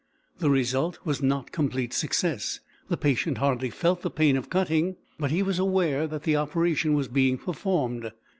The result was not complete success; the patient hardly felt the pain of cutting, but he was aware that the operation was being performed.